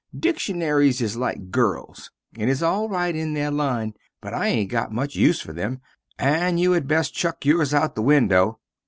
Dickshunaries is like girls and is al rite in there line, but I aint got much use fer them and you had best chuck yours out the window.